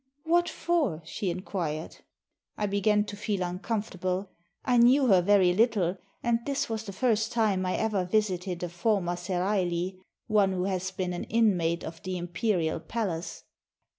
"What for?" she inquired. I began to feel uncomfortable. I knew her very Httle, and this was the first time I ever visited a former seraigli (one who has been an inmate of the imperial palace)